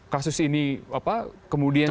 kasus ini kemudian